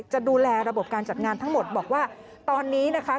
จะดูแลระบบการจัดงานทั้งหมดบอกว่าตอนนี้นะคะ